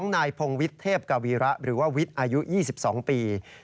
นายพงวิทย์เทพกวีระหรือว่าวิทย์อายุ๒๒ปี